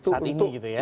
saat ini gitu ya